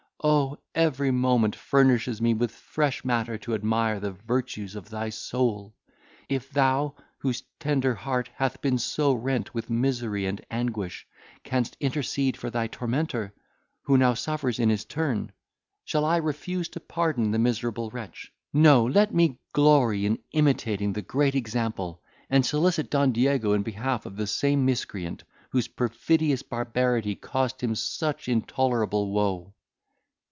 O! every moment furnishes me with fresh matter to admire the virtues of thy soul. If thou, whose tender heart hath been so rent with misery and anguish, canst intercede for thy tormentor, who now suffers in his turn, shall I refuse to pardon the miserable wretch! No, let me glory in imitating the great example, and solicit Don Diego in behalf of the same miscreant whose perfidious barbarity cost him such intolerable woe."